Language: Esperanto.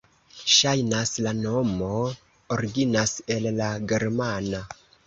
Ŝajnas, la nomo originas el la germana.